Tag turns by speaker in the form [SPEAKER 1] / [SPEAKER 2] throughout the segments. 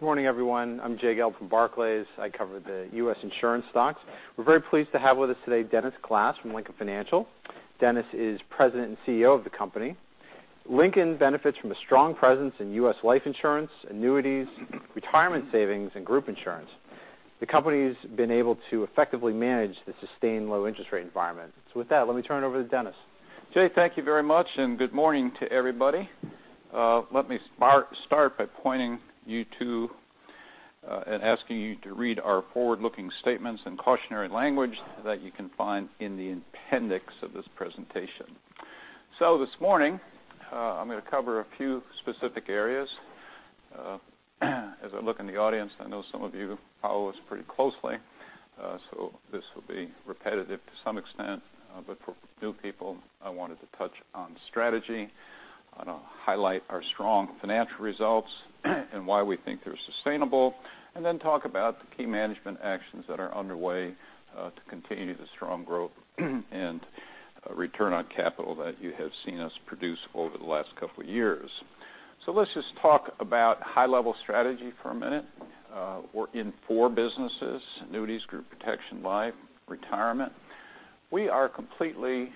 [SPEAKER 1] Good morning, everyone. I am Jay Gelb from Barclays. I cover the U.S. insurance stocks. We are very pleased to have with us today Dennis Glass from Lincoln Financial. Dennis is President and CEO of the company. Lincoln benefits from a strong presence in U.S. life insurance, annuities, retirement savings, and group insurance. The company has been able to effectively manage the sustained low interest rate environment. With that, let me turn it over to Dennis.
[SPEAKER 2] Jay, thank you very much, and good morning to everybody. Let me start by pointing you to, and asking you to read our forward-looking statements and cautionary language that you can find in the appendix of this presentation. This morning, I am going to cover a few specific areas. As I look in the audience, I know some of you follow us pretty closely, this will be repetitive to some extent. For new people, I wanted to touch on strategy. I am going to highlight our strong financial results and why we think they are sustainable, and then talk about the key management actions that are underway to continue the strong growth and return on capital that you have seen us produce over the last couple of years. Let us just talk about high-level strategy for a minute. We are in four businesses, annuities, group protection, life, retirement. We are completely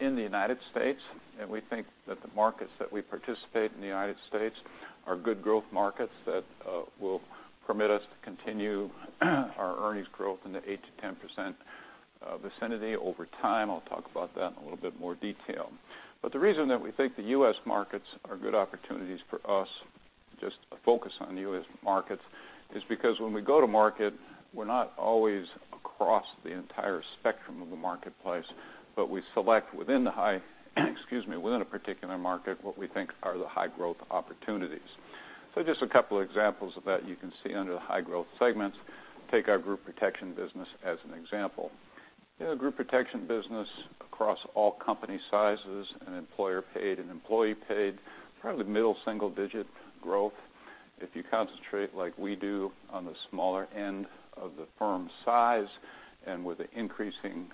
[SPEAKER 2] in the United States, and we think that the markets that we participate in the United States are good growth markets that will permit us to continue our earnings growth in the 8%-10% vicinity over time. I will talk about that in a little bit more detail. The reason that we think the U.S. markets are good opportunities for us, just a focus on U.S. markets, is because when we go to market, we are not always across the entire spectrum of the marketplace, but we select within a particular market, what we think are the high growth opportunities. Just a couple of examples of that you can see under the high growth segments. Take our group protection business as an example. In a group protection business across all company sizes and employer paid and employee paid, probably middle single-digit growth. If you concentrate like we do on the smaller end of the firm size and with an increasing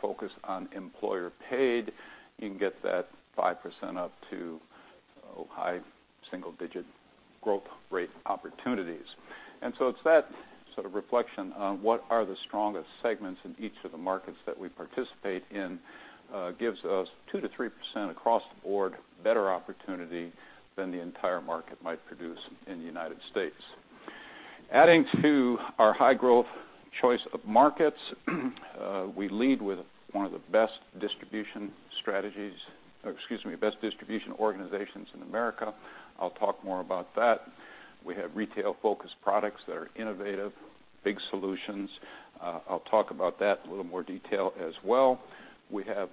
[SPEAKER 2] focus on employer paid, you can get that 5% up to high single-digit growth rate opportunities. It is that sort of reflection on what are the strongest segments in each of the markets that we participate in gives us 2%-3% across the board better opportunity than the entire market might produce in the United States. Adding to our high growth choice of markets, we lead with one of the best distribution strategies, best distribution organizations in America. I will talk more about that. We have retail-focused products that are innovative, big solutions. I will talk about that in a little more detail as well. We have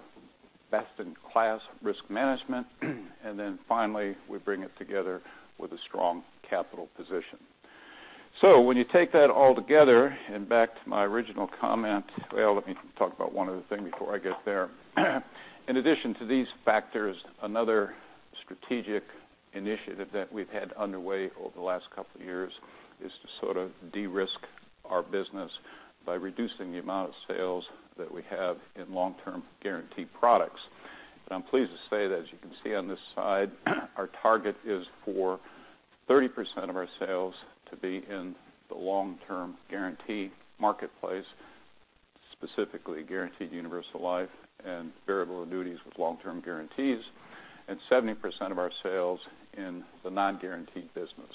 [SPEAKER 2] best in class risk management. Finally, we bring it together with a strong capital position. When you take that all together and back to my original comment, well, let me talk about one other thing before I get there. In addition to these factors, another strategic initiative that we've had underway over the last couple of years is to sort of de-risk our business by reducing the amount of sales that we have in long-term guaranteed products. I'm pleased to say that as you can see on this slide, our target is for 30% of our sales to be in the long-term guaranteed marketplace, specifically guaranteed universal life and variable annuities with long-term guarantees, and 70% of our sales in the non-guaranteed business.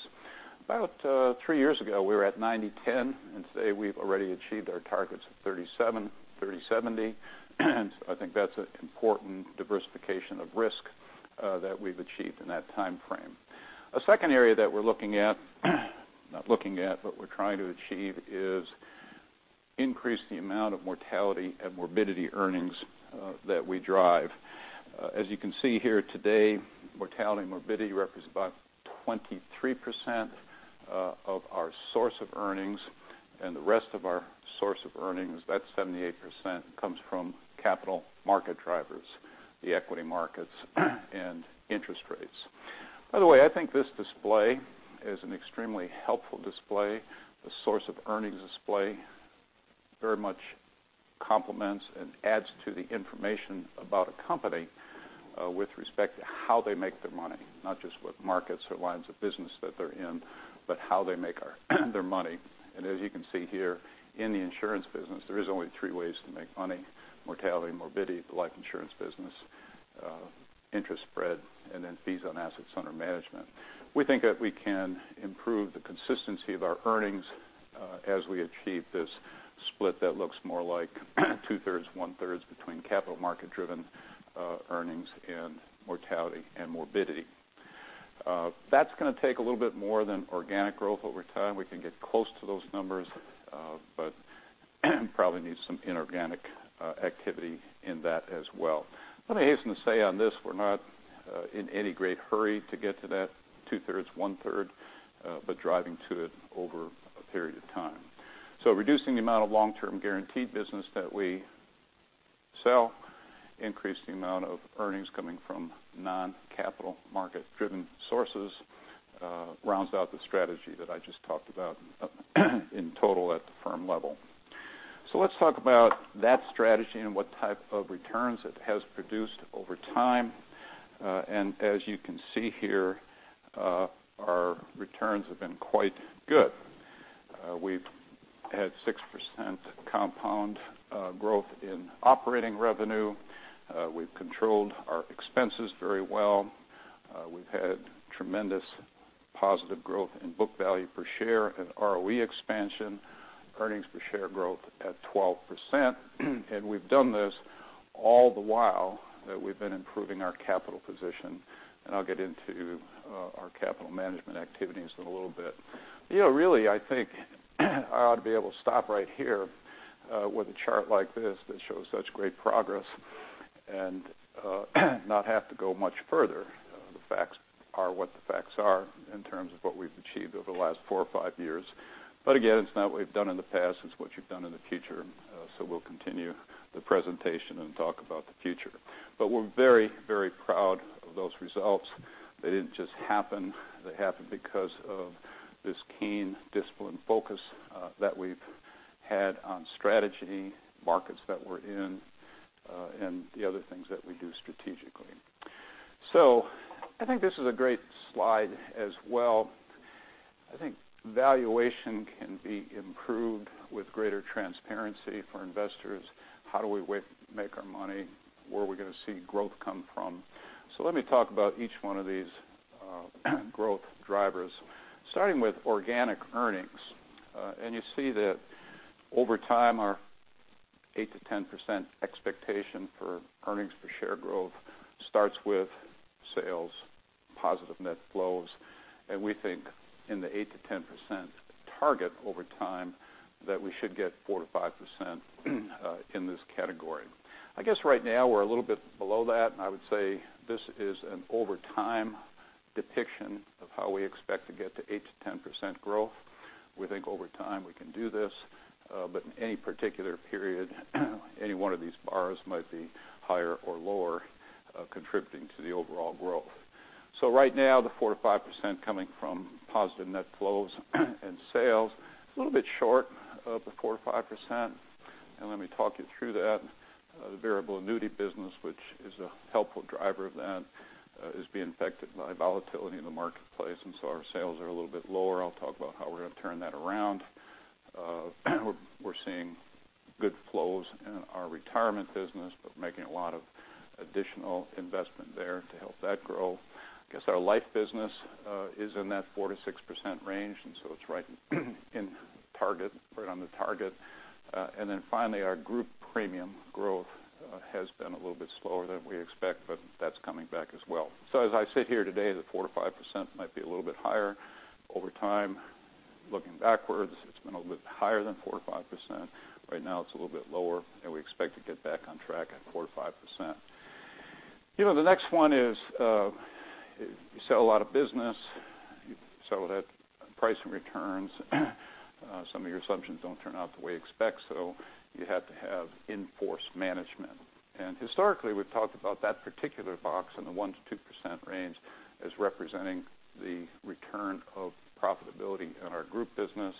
[SPEAKER 2] About three years ago, we were at 90/10, and today we've already achieved our targets of 30/70. I think that's an important diversification of risk that we've achieved in that timeframe. A second area that we're looking at, not looking at, but we're trying to achieve, is increase the amount of mortality and morbidity earnings that we drive. As you can see here today, mortality and morbidity represents about 23% of our source of earnings, and the rest of our source of earnings, that 78%, comes from capital market drivers, the equity markets, and interest rates. By the way, I think this display is an extremely helpful display. The source of earnings display very much complements and adds to the information about a company with respect to how they make their money, not just what markets or lines of business that they're in, but how they make their money. As you can see here in the insurance business, there is only three ways to make money, mortality, morbidity, the life insurance business, interest spread, and then fees on assets under management. We think that we can improve the consistency of our earnings as we achieve this split that looks more like two-thirds, one-thirds between capital market driven earnings and mortality and morbidity. That's going to take a little bit more than organic growth over time. We can get close to those numbers, but probably need some inorganic activity in that as well. I hasten to say on this, we're not in any great hurry to get to that two-thirds, one-third, but driving to it over a period of time. Reducing the amount of long-term guaranteed business that we sell, increase the amount of earnings coming from non-capital market driven sources rounds out the strategy that I just talked about in total at the firm level. Let's talk about that strategy and what type of returns it has produced over time. As you can see here, our returns have been quite good. We've had 6% compound growth in operating revenue. We've controlled our expenses very well. We've had tremendous positive growth in book value per share and ROE expansion, earnings per share growth at 12%. We've done this all the while that we've been improving our capital position, and I'll get into our capital management activities in a little bit. I think I ought to be able to stop right here with a chart like this that shows such great progress and not have to go much further. The facts are what the facts are in terms of what we've achieved over the last four or five years. Again, it's not what you've done in the past, it's what you've done in the future. We'll continue the presentation and talk about the future. We're very proud of those results. They didn't just happen. They happened because of this keen discipline focus that we've had on strategy, markets that we're in, and the other things that we do strategically. I think this is a great slide as well. I think valuation can be improved with greater transparency for investors. How do we make our money? Where are we going to see growth come from? Let me talk about each one of these growth drivers, starting with organic earnings. You see that over time, our 8%-10% expectation for earnings per share growth starts with sales, positive net flows, and we think in the 8%-10% target over time that we should get 4%-5% in this category. I guess right now we're a little bit below that, and I would say this is an over time depiction of how we expect to get to 8%-10% growth. We think over time we can do this, but in any particular period, any one of these bars might be higher or lower contributing to the overall growth. Right now, the 4%-5% coming from positive net flows and sales, a little bit short of the 4%-5%, and let me talk you through that. The variable annuity business, which is a helpful driver of that, is being affected by volatility in the marketplace. Our sales are a little bit lower. I'll talk about how we're going to turn that around. We're seeing good flows in our retirement business, making a lot of additional investment there to help that grow. I guess our life business is in that 4%-6% range, it's right on the target. Then finally, our group premium growth has been a little bit slower than we expect, that's coming back as well. As I sit here today, the 4%-5% might be a little bit higher over time. Looking backwards, it's been a little bit higher than 4% or 5%. Right now it's a little bit lower, and we expect to get back on track at 4%-5%. The next one is you sell a lot of business, you sell it at price and returns. Some of your assumptions don't turn out the way you expect, you have to have in-force management. Historically, we've talked about that particular box in the 1%-2% range as representing the return of profitability in our group business.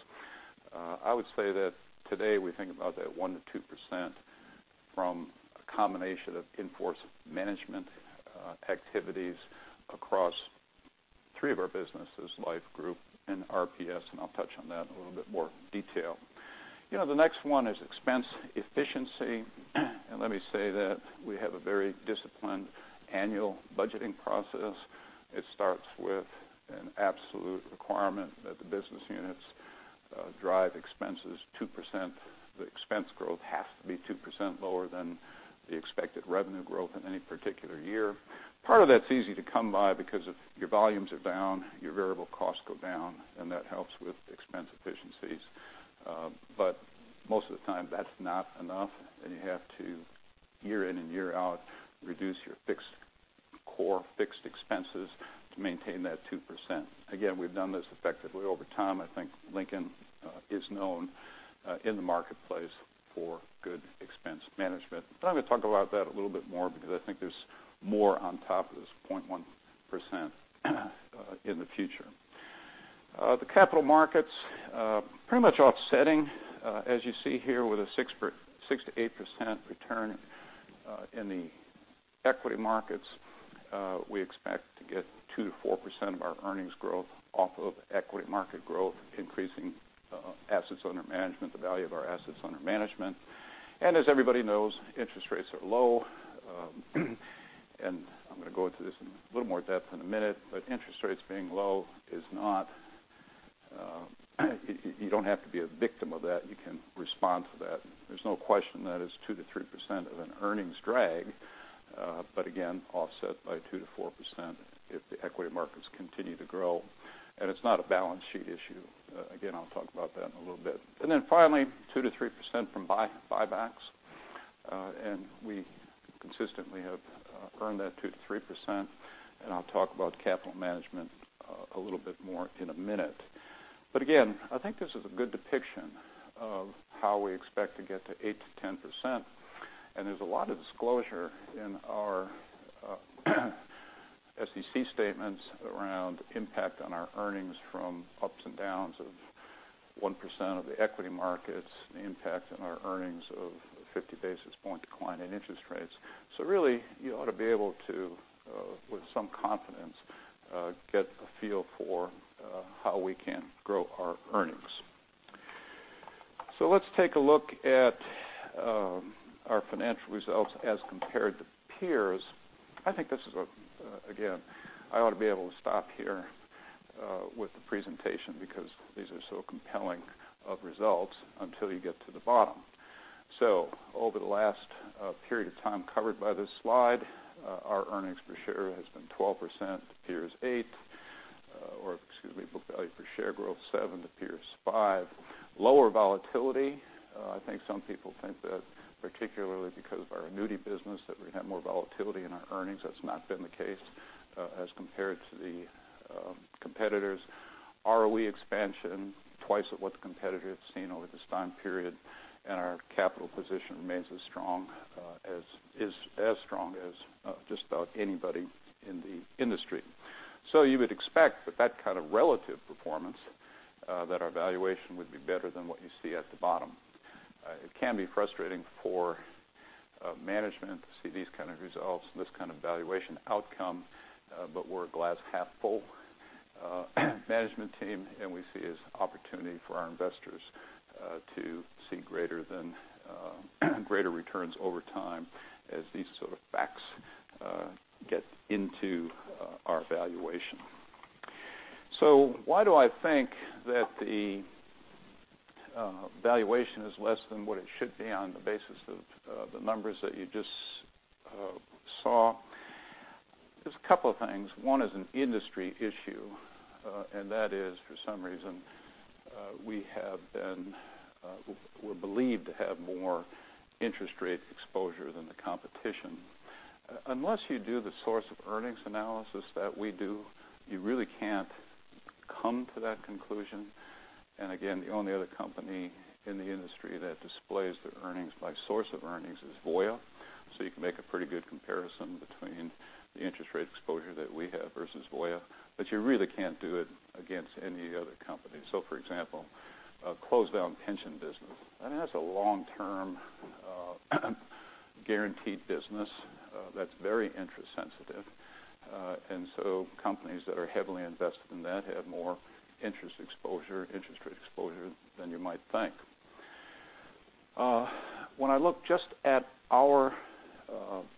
[SPEAKER 2] I would say that today we think about that 1%-2% from a combination of in-force management activities across three of our businesses, life, group, and RPS. I'll touch on that in a little bit more detail. The next one is expense efficiency, let me say that we have a very disciplined annual budgeting process. It starts with an absolute requirement that the business units drive expenses 2%. The expense growth has to be 2% lower than the expected revenue growth in any particular year. Part of that's easy to come by because if your volumes are down, your variable costs go down, and that helps with expense efficiencies. Most of the time, that's not enough, and you have to year in and year out, reduce your core fixed expenses to maintain that 2%. Again, we've done this effectively over time. I think Lincoln is known in the marketplace for good expense management. I'm going to talk about that a little bit more because I think there's more on top of this 0.1% in the future. The capital markets, pretty much offsetting as you see here with a 6%-8% return in the equity markets. We expect to get 2%-4% of our earnings growth off of equity market growth, increasing assets under management, the value of our assets under management. As everybody knows, interest rates are low. I'm going to go into this in a little more depth in a minute, but interest rates being low, you don't have to be a victim of that. You can respond to that. There's no question that it's 2%-3% of an earnings drag. Again, offset by 2%-4% if the equity markets continue to grow. It's not a balance sheet issue. Again, I'll talk about that in a little bit. Then finally, 2%-3% from buybacks. We consistently have earned that 2%-3%, and I'll talk about capital management a little bit more in a minute. Again, I think this is a good depiction of how we expect to get to 8%-10%, and there's a lot of disclosure in our SEC statements around impact on our earnings from ups and downs of 1% of the equity markets, the impact on our earnings of a 50 basis point decline in interest rates. Really, you ought to be able to, with some confidence, get a feel for how we can grow our earnings. Let's take a look at our financial results as compared to peers. I think this is again, I ought to be able to stop here with the presentation because these are so compelling of results until you get to the bottom. Over the last period of time covered by this slide, our earnings per share has been 12%, peers 8. Excuse me, book value per share growth 7 to peers 5. Lower volatility. I think some people think that particularly because of our annuity business, that we'd have more volatility in our earnings. That's not been the case as compared to the competitors. ROE expansion, twice of what the competitor has seen over this time period, and our capital position remains as strong as just about anybody in the industry. You would expect with that kind of relative performance, that our valuation would be better than what you see at the bottom. It can be frustrating for management to see these kind of results and this kind of valuation outcome. We're a glass-half-full management team, and we see it as an opportunity for our investors to see greater returns over time as these sort of facts get into our valuation. Why do I think that the valuation is less than what it should be on the basis of the numbers that you just saw? There's a couple of things. One is an industry issue, and that is, for some reason, we're believed to have more interest rate exposure than the competition. Unless you do the source of earnings analysis that we do, you really can't come to that conclusion. Again, the only other company in the industry that displays their earnings by source of earnings is Voya. You can make a pretty good comparison between the interest rate exposure that we have versus Voya, but you really can't do it against any other company. For example, a closed-down pension business, that's a long-term guaranteed business that's very interest sensitive. Companies that are heavily invested in that have more interest exposure than you might think. When I look just at our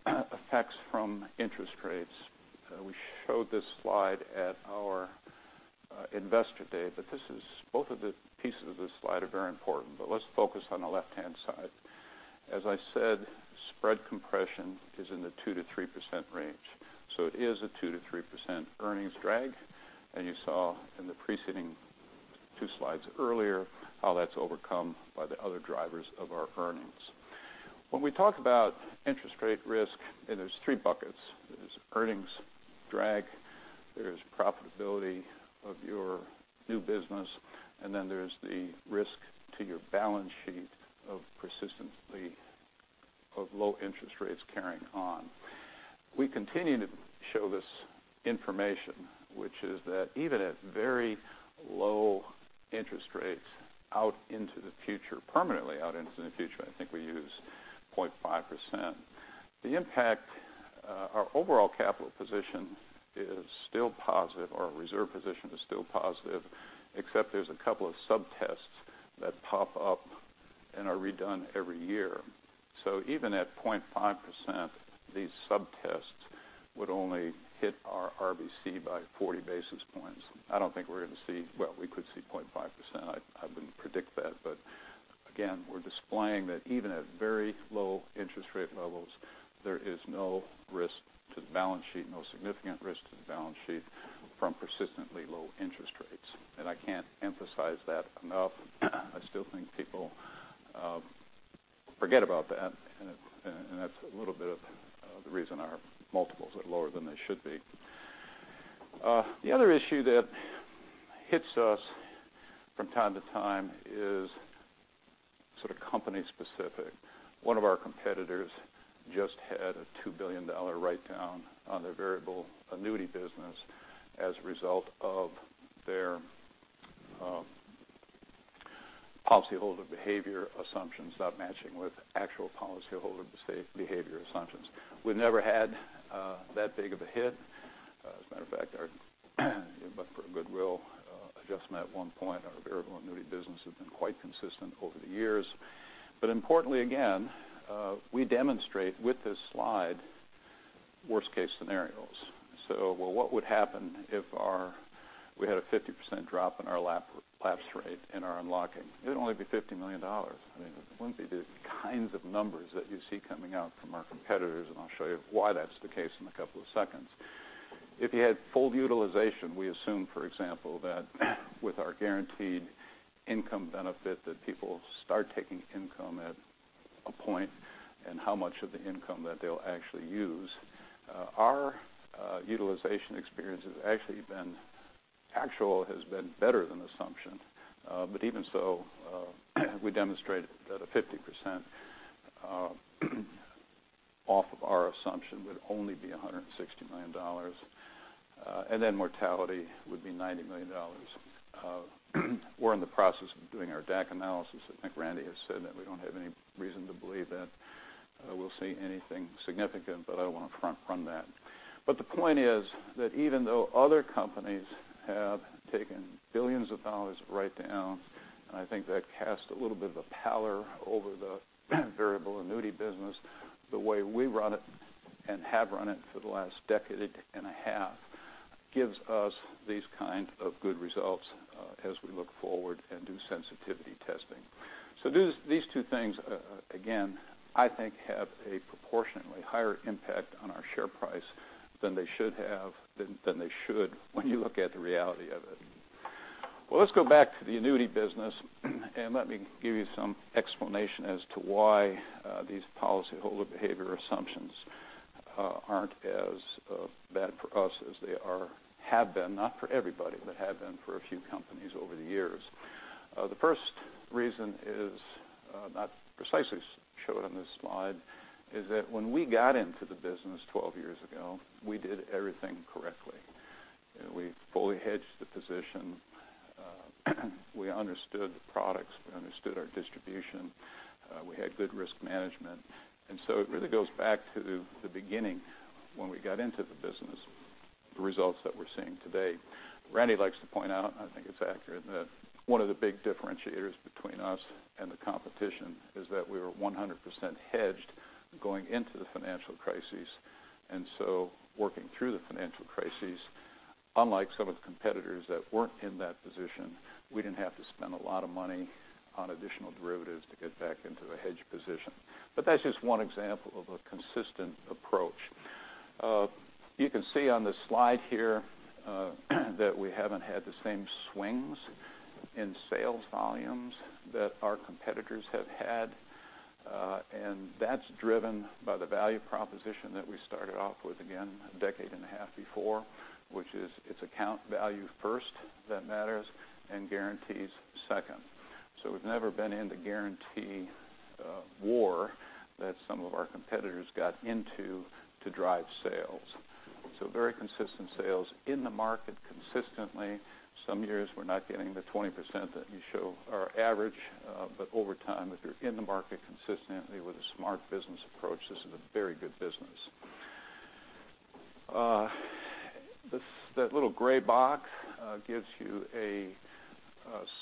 [SPEAKER 2] effects from interest rates, we showed this slide at our investor day. Both of the pieces of this slide are very important, but let's focus on the left-hand side. As I said, spread compression is in the 2%-3% range, it is a 2%-3% earnings drag. You saw in the preceding two slides earlier how that's overcome by the other drivers of our earnings. When we talk about interest rate risk, there's three buckets. There's earnings drag, there's profitability of your new business, there's the risk to your balance sheet of persistently low interest rates carrying on. We continue to show this information, which is that even at very low interest rates out into the future, permanently out into the future, I think we use 0.5%. The impact, our overall capital position is still positive, or our reserve position is still positive, except there's a couple of sub-tests that pop up and are redone every year. Even at 0.5%, these sub-tests would only hit our RBC by 40 basis points. I don't think we're going to see. Well, we could see 0.5%. I wouldn't predict that. Again, we're displaying that even at very low interest rate levels, there is no risk to the balance sheet, no significant risk to the balance sheet from persistently low interest rates. I can't emphasize that enough. I still think people forget about that's a little bit of the reason our multiples are lower than they should be. The other issue that hits us from time to time is sort of company specific. One of our competitors just had a $2 billion write-down on their variable annuity business as a result of their policyholder behavior assumptions not matching with actual policyholder behavior assumptions. We've never had that big of a hit. As a matter of fact, our goodwill adjustment at one point on our variable annuity business has been quite consistent over the years. Importantly, again, we demonstrate with this slide worst case scenarios. Well, what would happen if we had a 50% drop in our lapse rate in our unlocking? It'd only be $50 million. I mean, it wouldn't be the kinds of numbers that you see coming out from our competitors, I'll show you why that's the case in a couple of seconds. If you had full utilization, we assume, for example, that with our guaranteed income benefit, that people start taking income at a point and how much of the income that they'll actually use. Our utilization experience has actually been better than assumption. Even so, we demonstrated that a 50% off of our assumption would only be $160 million, and then mortality would be $90 million. We're in the process of doing our DAC analysis. I think Randy has said that we don't have any reason to believe that we'll see anything significant, but I won't front run that. The point is that even though other companies have taken billions of dollars of write-downs, and I think that cast a little bit of a pallor over the variable annuity business, the way we run it and have run it for the last decade and a half gives us these kind of good results as we look forward and do sensitivity testing. These two things, again, I think have a proportionately higher impact on our share price than they should when you look at the reality of it. Well, let's go back to the annuity business, and let me give you some explanation as to why these policyholder behavior assumptions aren't as bad for us as they have been, not for everybody, but have been for a few companies over the years. The first reason is not precisely shown on this slide, is that when we got into the business 12 years ago, we did everything correctly. We fully hedged the position, we understood the products, we understood our distribution, we had good risk management. It really goes back to the beginning when we got into the business, the results that we're seeing today. Randy likes to point out, and I think it's accurate, that one of the big differentiators between us and the competition is that we were 100% hedged going into the financial crisis. Working through the financial crisis, unlike some of the competitors that weren't in that position, we didn't have to spend a lot of money on additional derivatives to get back into a hedged position. That's just one example of a consistent approach. You can see on this slide here, that we haven't had the same swings in sales volumes that our competitors have had. That's driven by the value proposition that we started off with, again, a decade and a half before, which is it's account value first that matters and guarantees second. We've never been in the guarantee war that some of our competitors got into to drive sales. Very consistent sales in the market consistently. Some years we're not getting the 20% that you show are average, but over time, if you're in the market consistently with a smart business approach, this is a very good business. That little gray box gives you a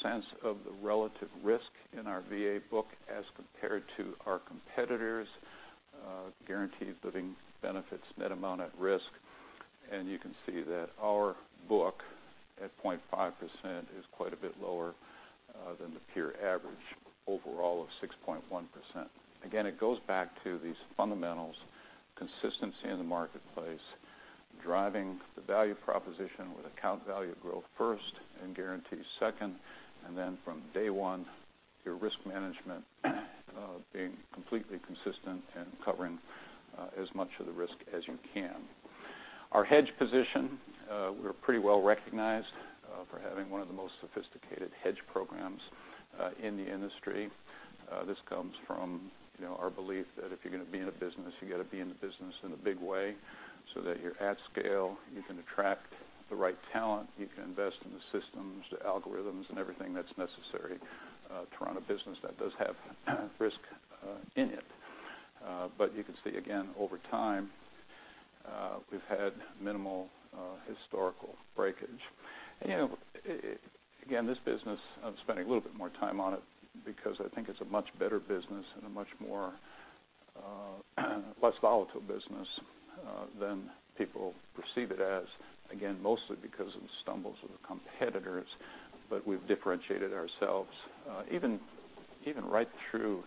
[SPEAKER 2] sense of the relative risk in our VA book as compared to our competitors' guaranteed living benefits net amount at risk, you can see that our book, at 0.5%, is quite a bit lower than the peer average overall of 6.1%. Again, it goes back to these fundamentals, consistency in the marketplace, driving the value proposition with account value growth first and guarantees second. From day one, your risk management being completely consistent and covering as much of the risk as you can. Our hedge position, we're pretty well-recognized for having one of the most sophisticated hedge programs in the industry. This comes from our belief that if you're going to be in a business, you got to be in the business in a big way so that you're at scale, you can attract the right talent, you can invest in the systems, the algorithms, and everything that's necessary to run a business that does have risk in it. You can see again, over time, we've had minimal historical breakage. Again, this business, I'm spending a little bit more time on it because I think it's a much better business and a much more, less volatile business than people perceive it as. Again, mostly because of the stumbles of the competitors, we've differentiated ourselves. Even right through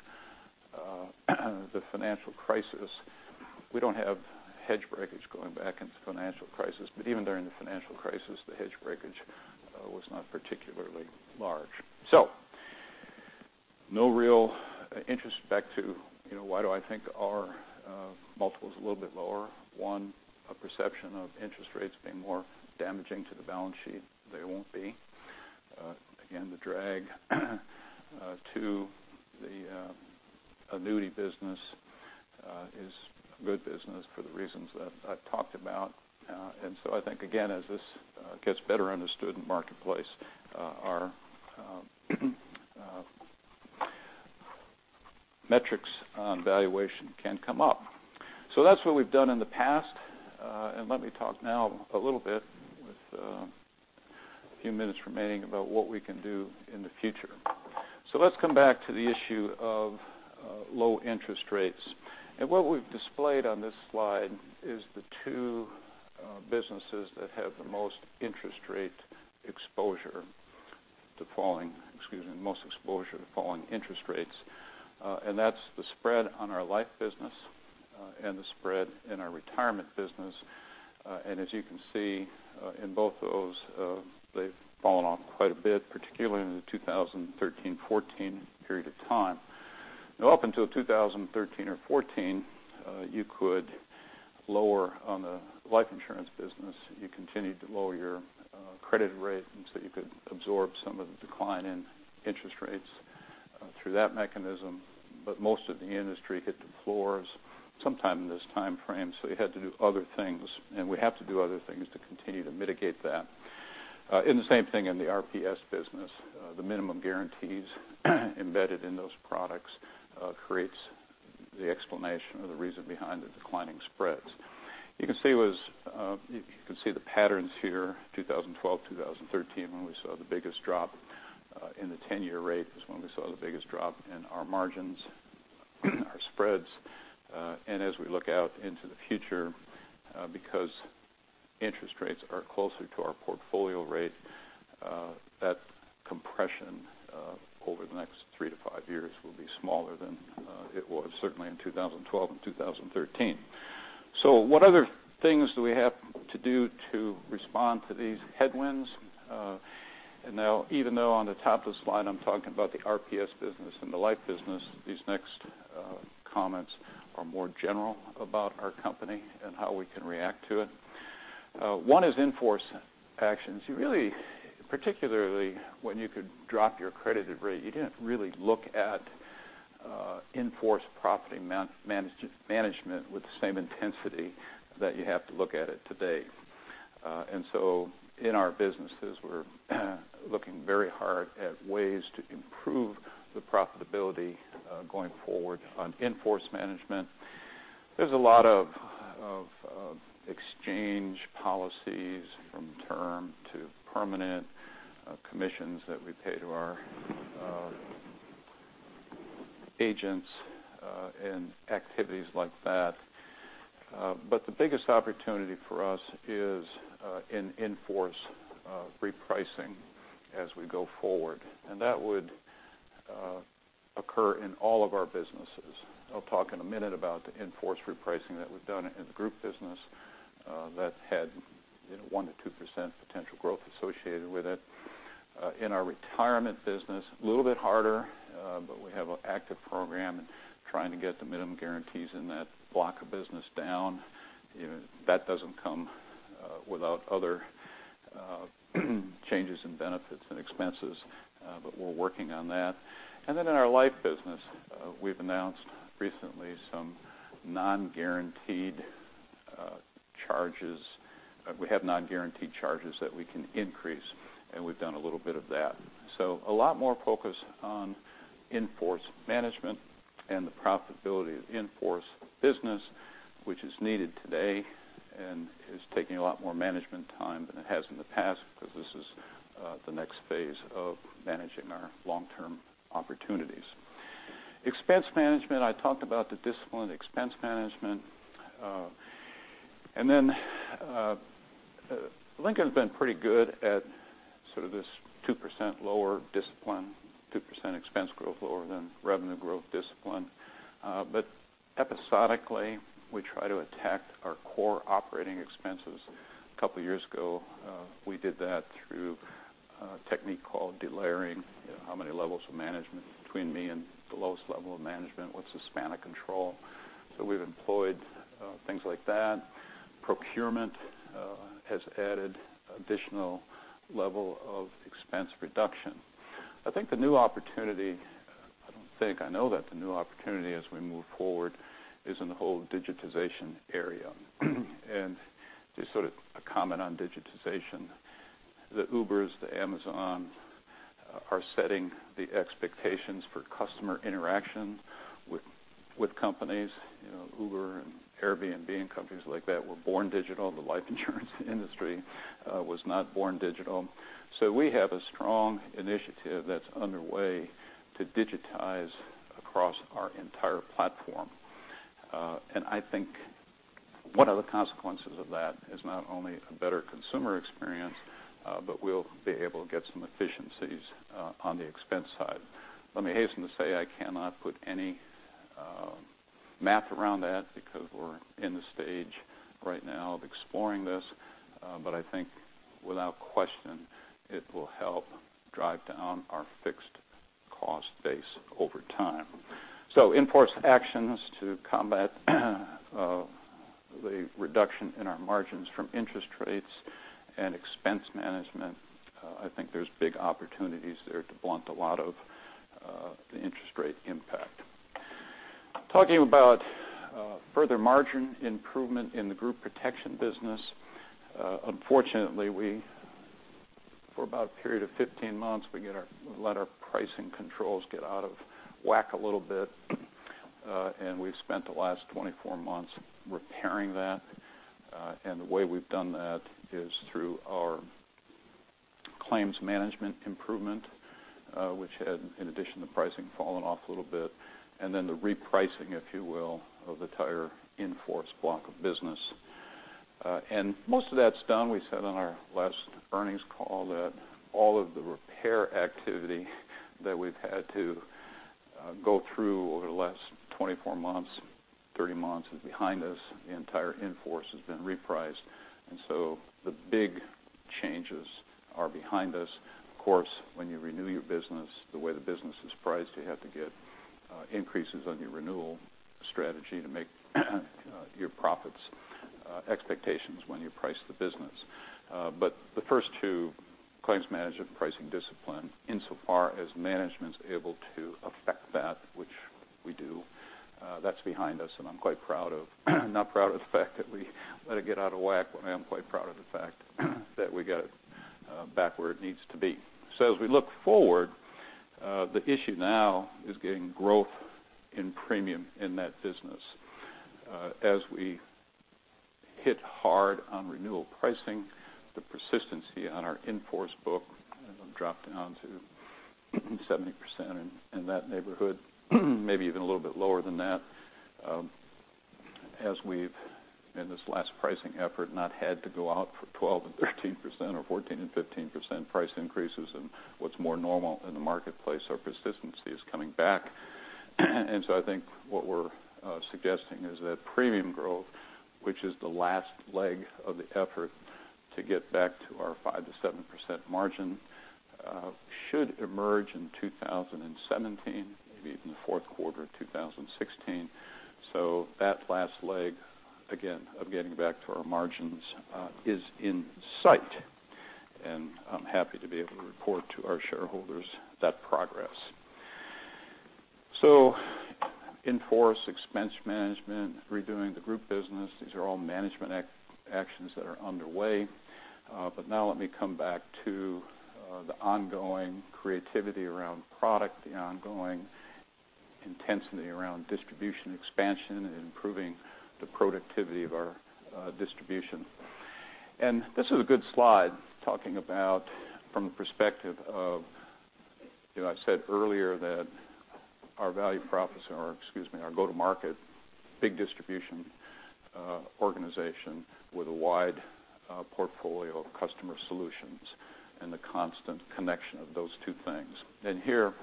[SPEAKER 2] the financial crisis, we don't have hedge breakage going back into the financial crisis, but even during the financial crisis, the hedge breakage was not particularly large. No real interest back to why do I think our multiple's a little bit lower. One, a perception of interest rates being more damaging to the balance sheet. They won't be. Again, the drag to the annuity business is good business for the reasons that I've talked about. I think, again, as this gets better understood in the marketplace, our metrics on valuation can come up. That's what we've done in the past. Let me talk now a little bit with a few minutes remaining about what we can do in the future. Let's come back to the issue of low interest rates. What we've displayed on this slide is the two businesses that have the most interest rate exposure to falling, excuse me, most exposure to falling interest rates. That's the spread on our life business and the spread in our retirement business. As you can see in both those, they've fallen off quite a bit, particularly in the 2013, 2014 period of time. Up until 2013 or 2014, you could lower on the life insurance business. You continued to lower your credited rate, you could absorb some of the decline in interest rates through that mechanism. Most of the industry hit the floors sometime in this time frame, you had to do other things, we have to do other things to continue to mitigate that. The same thing in the RPS business. The minimum guarantees embedded in those products creates the explanation or the reason behind the declining spreads. You can see the patterns here, 2012, 2013, when we saw the biggest drop in the 10-year rate was when we saw the biggest drop in our margins, our spreads. As we look out into the future, because interest rates are closer to our portfolio rate, that compression over the next three to five years will be smaller than it was certainly in 2012 and 2013. What other things do we have to do to respond to these headwinds? Now, even though on the top of the slide I am talking about the RPS business and the life business, these next comments are more general about our company and how we can react to it. One is in-force actions. Really, particularly when you could drop your credited rate, you did not really look at in-force management with the same intensity that you have to look at it today. In our businesses, we are looking very hard at ways to improve the profitability going forward on in-force management. There is a lot of exchange policies from term to permanent commissions that we pay to our agents and activities like that. The biggest opportunity for us is in in-force repricing as we go forward, and that would occur in all of our businesses. I will talk in a minute about the in-force repricing that we have done in the group business that had 1%-2% potential growth associated with it. In our retirement business, a little bit harder, but we have an active program in trying to get the minimum guarantees in that block of business down. That does not come without other changes in benefits and expenses, but we are working on that. In our life business, we have announced recently some non-guaranteed charges. We have non-guaranteed charges that we can increase, and we have done a little bit of that. A lot more focus on in-force management and the profitability of in-force business, which is needed today and is taking a lot more management time than it has in the past because this is the next phase of managing our long-term opportunities. Expense management, I talked about the discipline expense management. Lincoln has been pretty good at sort of this 2% lower discipline, 2% expense growth lower than revenue growth discipline. Episodically, we try to attack our core operating expenses. A couple of years ago, we did that through a technique called delayering. How many levels of management between me and the lowest level of management? What is the span of control? We have employed things like that. Procurement has added additional level of expense reduction. I think the new opportunity, I do not think I know that the new opportunity as we move forward is in the whole digitization area. Just sort of a comment on digitization. The Ubers, the Amazons are setting the expectations for customer interaction with companies. Uber and Airbnb and companies like that were born digital. The life insurance industry was not born digital. We have a strong initiative that is underway to digitize across our entire platform. I think one of the consequences of that is not only a better consumer experience, but we will be able to get some efficiencies on the expense side. Let me hasten to say, I cannot put any math around that because we are in the stage right now of exploring this. I think without question, it will help drive down our fixed cost base over time. In-force actions to combat the reduction in our margins from interest rates and expense management, I think there's big opportunities there to blunt a lot of the interest rate impact. Talking about further margin improvement in the group protection business. Unfortunately, for about a period of 15 months, we let our pricing controls get out of whack a little bit, and we've spent the last 24 months repairing that. The way we've done that is through our claims management improvement which had, in addition to pricing, fallen off a little bit, and then the repricing, if you will, of the entire in-force block of business. Most of that's done. We said on our last earnings call that all of the repair activity that we've had to go through over the last 24 months, 30 months is behind us. The entire in-force has been repriced. The big changes are behind us. Of course, when you renew your business, the way the business is priced, you have to get increases on your renewal strategy to make your profits expectations when you price the business. The first two, claims management and pricing discipline, insofar as management's able to affect that, which we do, that's behind us, and I'm quite proud of. I'm not proud of the fact that we let it get out of whack, but I am quite proud of the fact that we got it back where it needs to be. As we look forward, the issue now is getting growth in premium in that business. As we hit hard on renewal pricing, the persistency on our in-force book has dropped down to 70% and in that neighborhood, maybe even a little bit lower than that, as we've, in this last pricing effort, not had to go out for 12% and 13% or 14% and 15% price increases and what's more normal in the marketplace, our persistency is coming back. I think what we're suggesting is that premium growth, which is the last leg of the effort to get back to our 5%-7% margin, should emerge in 2017, maybe even the fourth quarter of 2016. That last leg, again, of getting back to our margins is in sight. I'm happy to be able to report to our shareholders that progress. In-force expense management, redoing the group business, these are all management actions that are underway. Now let me come back to the ongoing creativity around product, the ongoing intensity around distribution expansion, and improving the productivity of our distribution. This is a good slide talking about from the perspective of, I said earlier that our value proposition or, excuse me, our go-to-market big distribution organization with a wide portfolio of customer solutions and the constant connection of those two things. Here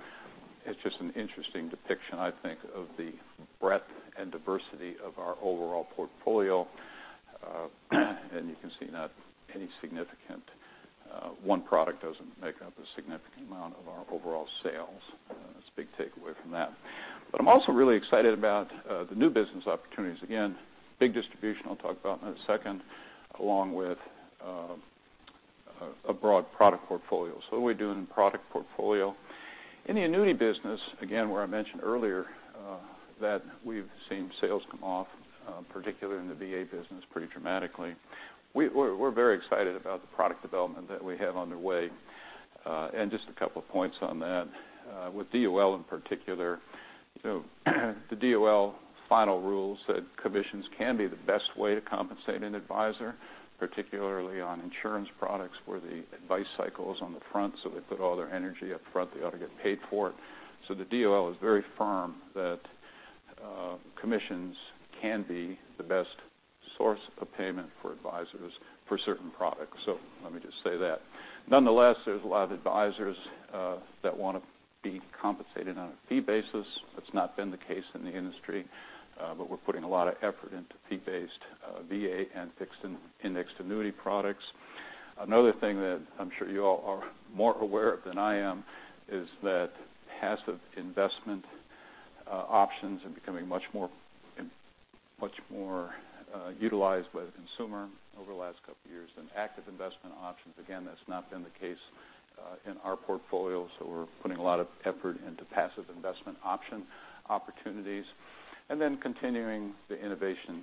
[SPEAKER 2] it's just an interesting depiction, I think, of the breadth and diversity of our overall portfolio. You can see not any significant one product doesn't make up a significant amount of our overall sales. That's a big takeaway from that. I'm also really excited about the new business opportunities. Again, big distribution I'll talk about in a second, along with a broad product portfolio. What are we doing in product portfolio? In the annuity business, again, where I mentioned earlier that we've seen sales come off, particularly in the VA business, pretty dramatically, we're very excited about the product development that we have underway. Just 2 points on that. With DOL in particular, the DOL final rules said commissions can be the best way to compensate an advisor, particularly on insurance products where the advice cycle is on the front, they put all their energy up front, they ought to get paid for it. The DOL is very firm that commissions can be the best source of payment for advisors for certain products. Let me just say that. Nonetheless, there's a lot of advisors that want to be compensated on a fee basis. That's not been the case in the industry, we're putting a lot of effort into fee-based VA and fixed indexed annuity products. Another thing that I'm sure you all are more aware of than I am is that passive investment options are becoming much more utilized by the consumer over the last 2 years than active investment options. Again, that's not been the case in our portfolio. We're putting a lot of effort into passive investment option opportunities. Continuing the innovation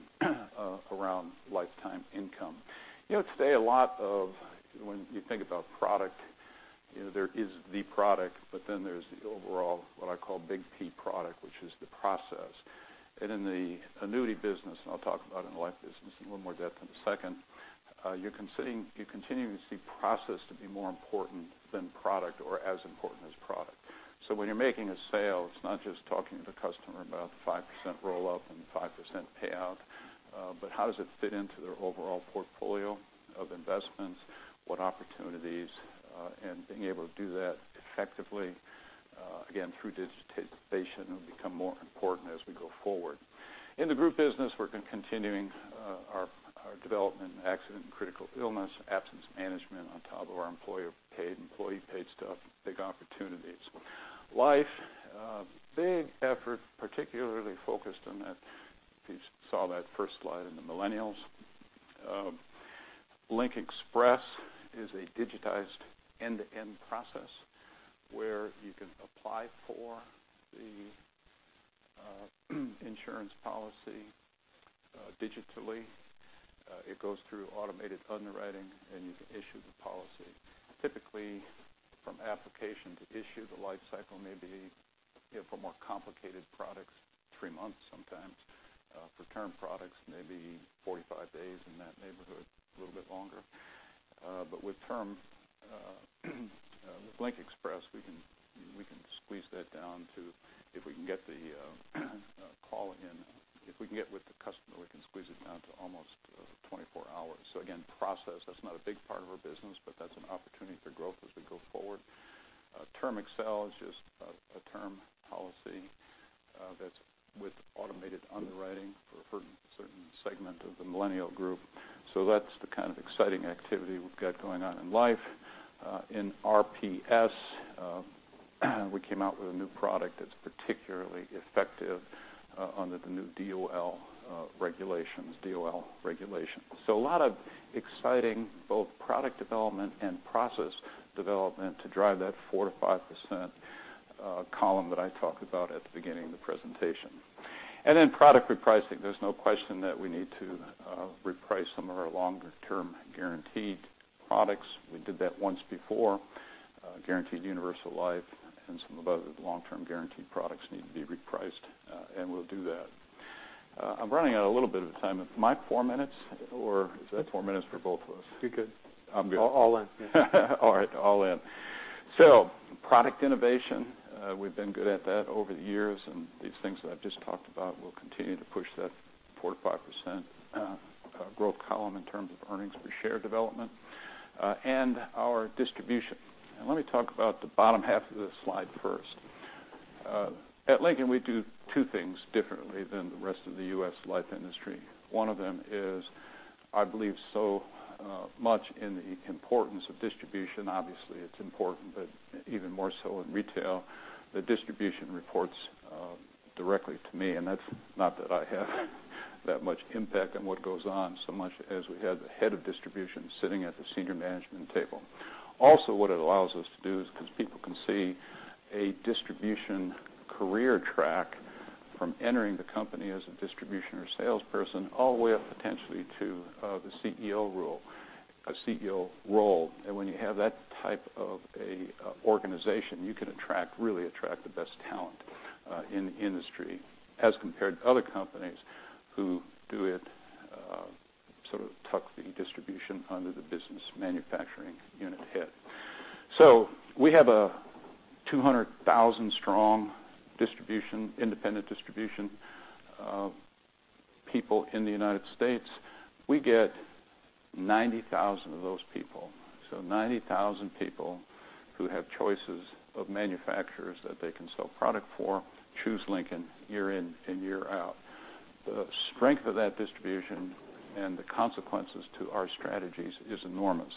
[SPEAKER 2] around lifetime income. Today, a lot of when you think about product, there is the product, but then there's the overall, what I call big T product, which is the process. In the annuity business, I'll talk about in life business in a little more depth in a second, you're continuing to see process to be more important than product or as important as product. When you're making a sale, it's not just talking to the customer about the 5% roll-up and the 5% payout, but how does it fit into their overall portfolio of investments, what opportunities, and being able to do that effectively, again, through digitization will become more important as we go forward. In the group business, we're continuing our development in accident and critical illness, absence management on top of our employer paid, employee paid stuff, big opportunities. Life, big effort, particularly focused on that. You saw that first slide in the millennials. LincXpress is a digitized end-to-end process where you can apply for the insurance policy digitally. It goes through automated underwriting, you can issue the policy. Typically, from application to issue, the life cycle may be for more complicated products, 3 months sometimes. For term products, maybe 45 days, in that neighborhood, a little bit longer. With term, with LincXpress, we can squeeze that down to, if we can get the call in, if we can get with the customer, we can squeeze it down to almost 24 hours. Again, process, that's not a big part of our business, that's an opportunity for growth as we go forward. Lincoln TermAccel is just a term policy that's with automated underwriting for a certain segment of the millennial group. That's the kind of exciting activity we've got going on in Life. In RPS, we came out with a new product that's particularly effective under the new DOL regulations. a lot of exciting, both product development and process development to drive that 4%-5% column that I talked about at the beginning of the presentation. Product repricing, there's no question that we need to reprice some of our longer term guaranteed products. We did that once before, guaranteed universal life and some of the other long-term guaranteed products need to be repriced, and we'll do that. I'm running out a little bit of time. Am I four minutes or is that four minutes for both of us?
[SPEAKER 1] You're good.
[SPEAKER 2] I'm good.
[SPEAKER 1] All in. Yeah.
[SPEAKER 2] All right, all in. Product innovation, we've been good at that over the years, and these things that I've just talked about will continue to push that 4%-5% growth column in terms of earnings per share development, and our distribution. Let me talk about the bottom half of this slide first. At Lincoln, we do two things differently than the rest of the U.S. life industry. One of them is, I believe so much in the importance of distribution. Obviously, it's important, but even more so in retail. The distribution reports directly to me, and that's not that I have that much impact on what goes on so much as we have the head of distribution sitting at the senior management table. Also, what it allows us to do is, because people can see a distribution career track from entering the company as a distribution or salesperson all the way up potentially to the CEO role. When you have that type of an organization, you can really attract the best talent in the industry as compared to other companies who do it, sort of tuck the distribution under the business manufacturing unit head. We have a 200,000 strong independent distribution of people in the U.S. We get 90,000 of those people. So 90,000 people who have choices of manufacturers that they can sell product for choose Lincoln year in and year out. The strength of that distribution and the consequences to our strategies is enormous.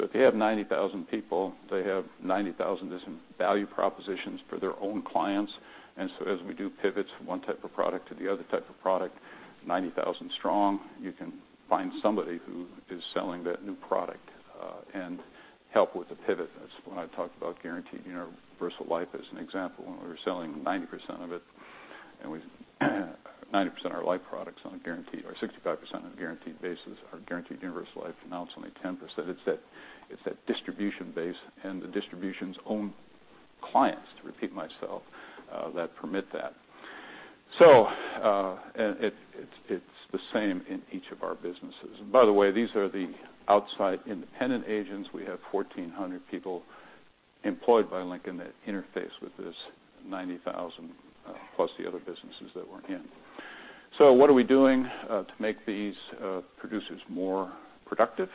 [SPEAKER 2] If you have 90,000 people, they have 90,000 as value propositions for their own clients. And so as we do pivots from one type of product to the other type of product, 90,000 strong, you can find somebody who is selling that new product and help with the pivot. That's when I talked about Guaranteed Universal Life as an example, when we were selling 90% of it, and we— 90% are life products on a guaranteed, or 65% on a guaranteed basis are Guaranteed Universal Life. Now it's only 10%. It's that distribution base and the distribution's own clients, to repeat myself, that permit that. And it's the same in each of our businesses. By the way, these are the outside independent agents. We have 1,400 people employed by Lincoln that interface with this 90,000, plus the other businesses that we're in. So what are we doing to make these producers more productive?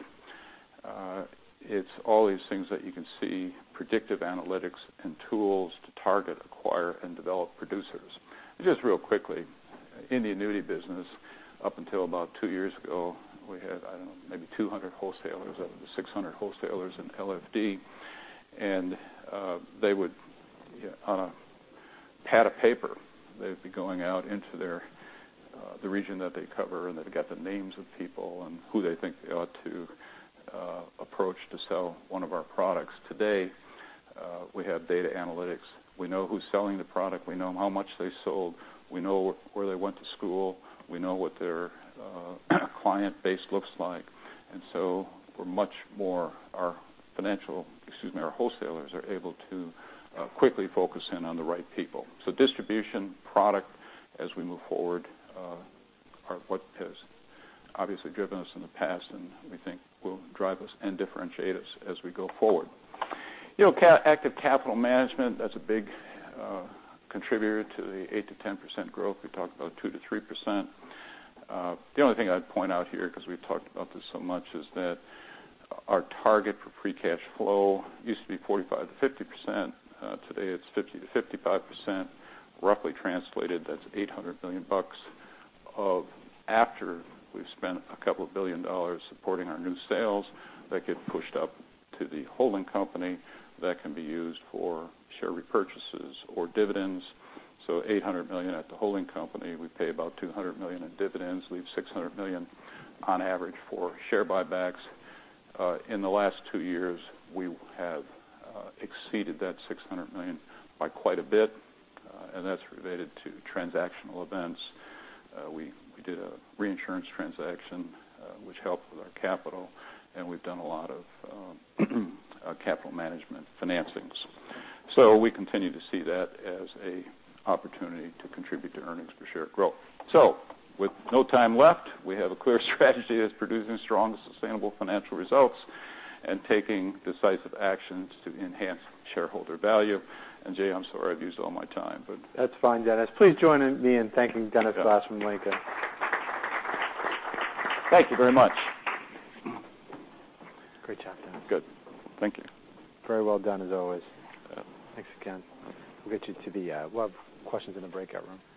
[SPEAKER 2] It's all these things that you can see, predictive analytics and tools to target, acquire, and develop producers. Just real quickly, in the annuity business, up until about two years ago, we had, I don't know, maybe 200 wholesalers out of the 600 wholesalers in LFD, and they would, on a pad of paper, they'd be going out into the region that they cover, and they've got the names of people and who they think they ought to approach to sell one of our products. Today, we have data analytics. We know who's selling the product. We know how much they sold. We know where they went to school. We know what their client base looks like. And so we're much more our wholesalers are able to quickly focus in on the right people. Distribution, product as we move forward, are what has obviously driven us in the past and we think will drive us and differentiate us as we go forward. Active capital management, that's a big contributor to the 8%-10% growth. We talked about 2%-3%. The only thing I'd point out here, because we've talked about this so much, is that our target for free cash flow used to be 45%-50%. Today it's 50%-55%, roughly translated, that's $800 million of after we've spent a couple of billion $ supporting our new sales that get pushed up to the holding company that can be used for share repurchases or dividends. $800 million at the holding company. We pay about $200 million in dividends, leaves $600 million on average for share buybacks. In the last two years, we have exceeded that $600 million by quite a bit, and that's related to transactional events. We did a reinsurance transaction, which helped with our capital, and we've done a lot of capital management financings. We continue to see that as a opportunity to contribute to earnings per share growth. With no time left, we have a clear strategy that's producing strong and sustainable financial results and taking decisive actions to enhance shareholder value. Jay, I'm sorry I've used all my time.
[SPEAKER 1] That's fine, Dennis. Please join me in thanking Dennis Glass from Lincoln.
[SPEAKER 2] Thank you very much.
[SPEAKER 1] Great job, Dennis.
[SPEAKER 2] Good. Thank you.
[SPEAKER 1] Very well done, as always.
[SPEAKER 2] Yeah.
[SPEAKER 1] Thanks again. We'll have questions in the breakout room.